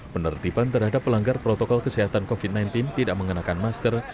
penertiban terhadap pelanggar protokol kesehatan covid sembilan belas tidak mengenakan masker